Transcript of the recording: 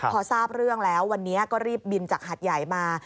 พอทราบเรื่องแล้ววันนี้ก็รีบบินจากหัดใหญ่มา